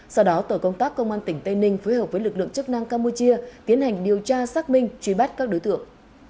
sau đó tổ công tác công an tỉnh tây ninh phối hợp với lực lượng chức năng campuchia tiến hành điều tra xác minh truy bắt các đối tượng